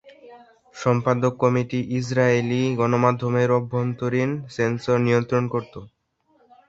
সম্পাদক committee Israeli গণমাধ্যমের আভ্যন্তরীণ সেন্সর নিয়ন্ত্রণ করতো।